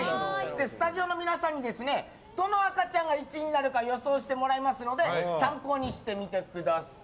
スタジオの皆さんにどの赤ちゃんが１位になるか予想してもらいますので参考にしてみてください。